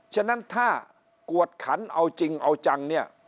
ฉะนั้นถ้ากวดขันเอาจริงเอาจังเนี่ย